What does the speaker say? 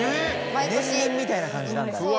年輪みたいな感じなんだ。